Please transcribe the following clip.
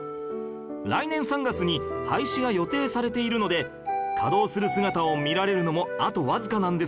来年３月に廃止が予定されているので稼働する姿を見られるのもあとわずかなんですよ